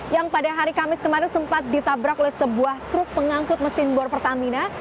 yang pada hari kamis kemarin sempat ditabrak oleh sebuah truk pengangkut mesin bor pertamina